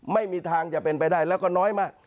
ไม่มีทางจะเป็นไปได้แล้วก็น้อยมาก